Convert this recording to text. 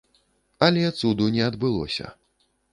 Але цуду не адбылося.